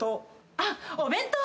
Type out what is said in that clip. あっお弁当。